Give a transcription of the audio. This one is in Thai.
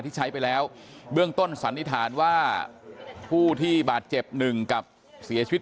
ที่ใช้ไปแล้วเบื้องต้นสันนิษฐานว่าผู้ที่บาดเจ็บหนึ่งกับเสียชีวิต